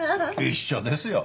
一緒ですよ。